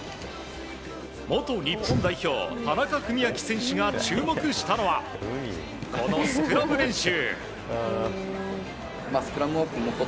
元日本代表田中史朗選手が注目したのはこのスクラム練習。